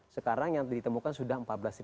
sekarang yang ditemukan sudah empat belas lima ratus